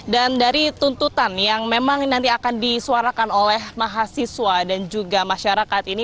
dan dari tuntutan yang memang nanti akan disuarakan oleh mahasiswa dan juga masyarakat ini